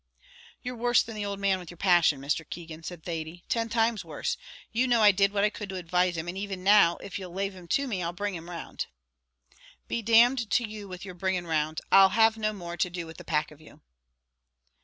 "You're worse than the old man with your passion, Mr. Keegan," said Thady; "ten times worse; you know I did what I could to advise him; and even now, if you'll lave him to me, I'll bring him round." "Be d d to you with your bringing round! I'll have no more to do with the pack of you."